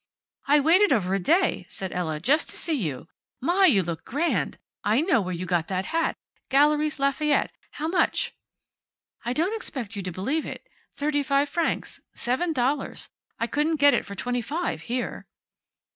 "I waited over a day," said Ella, "just to see you. My, you look grand! I know where you got that hat. Galeries Lafayette. How much?" "I don't expect you to believe it. Thirty five francs. Seven dollars. I couldn't get it for twenty five here."